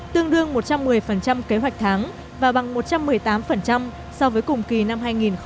tương đương một trăm một mươi kế hoạch tháng và bằng một trăm một mươi tám so với cùng kỳ năm hai nghìn một mươi tám